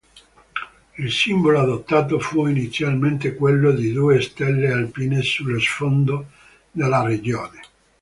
Il simbolo adottato fu inizialmente quello di due stelle alpine sullo sfondo della regione.